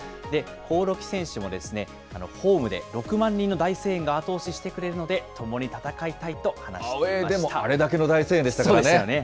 興梠選手も、ホームで６万人の大声援が後押ししてくれるので、共アウエーでもあれだけの大声そうですよね。